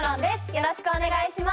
よろしくお願いします。